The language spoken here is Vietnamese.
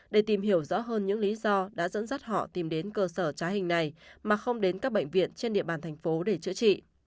để tìm hiểu rõ hơn những lý do đã dẫn dắt họ tìm đến cơ sở trá hình này mà không đến các bệnh viện trên địa bàn thành phố để chữa trị